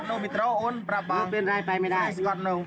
ไปไม่ได้ลูกไปไปไปไปไม่ได้